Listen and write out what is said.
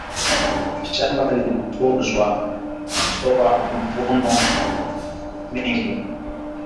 shamba likitunzwa hutoa mzvuno mengi